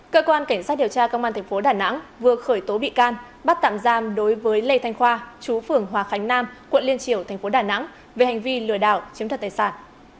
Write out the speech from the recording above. cơ quan cảnh sát điều tra công an tp đà nẵng vừa khởi tố bị can bắt tạm giam đối với lê thanh khoa chú phưởng hòa khánh nam quận liên triều thành phố đà nẵng về hành vi lừa đảo chiếm thật tài sản